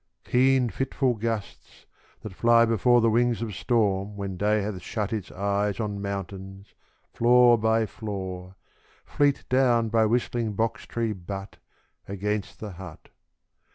Keen, fitful gusts, that fly before The wings of storm when day hath shut Its eyes on mountains, flaw by flaw, Fleet down by whistling box tree butt, Against the hut.